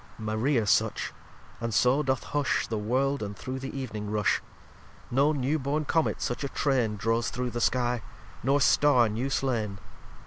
lxxxvi Maria such, and so doth hush The World, and through the Ev'ning rush. No new born Comet such a Train Draws through the Skie, nor Star new slain.